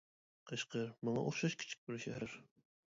قەشقەر ماڭا ئوخشاش كىچىك بىر شەھەر.